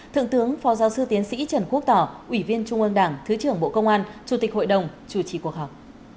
thượng tướng phó giáo sư tiến sĩ trần quốc tỏ ủy viên trung ương đảng thứ trưởng bộ công an chủ tịch hội đồng chủ trì cuộc họp